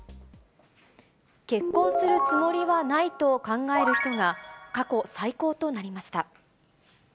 結婚するつもりはないと考える人が、過去最高となりました。